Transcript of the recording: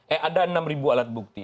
eh ada enam alat bukti